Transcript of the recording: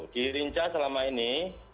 dirinca selama ini